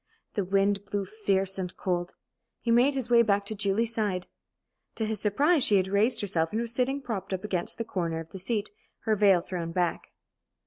The wind blew fierce and cold. He made his way back to Julie's side. To his surprise, she had raised herself and was sitting propped up against the corner of the seat, her veil thrown back.